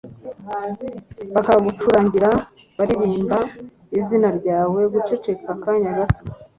bakagucurangira baririmba izina ryawe» guceceka akanya gato